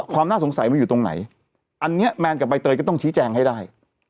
ความน่าสงสัยมันอยู่ตรงไหนอันนี้แมนกับใบเตยก็ต้องชี้แจงให้ได้